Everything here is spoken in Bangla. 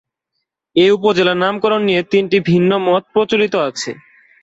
এ উপজেলার নামকরণ নিয়ে তিনটি ভিন্ন মত প্রচলিত আছে।